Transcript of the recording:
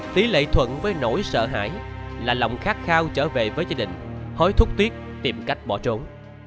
tỷ lệ thuận với nỗi sợ hãi là lòng khát khao trở về với gia đình hối thúc tuyết tìm cách bỏ trốn